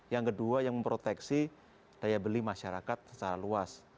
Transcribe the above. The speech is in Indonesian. yang kedua yang memproteksi daya beli masyarakat secara luas